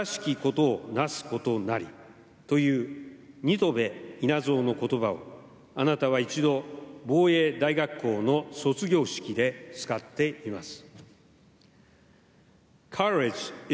新渡戸稲造の言葉をあなたは一度防衛大学校の卒業式で使っています。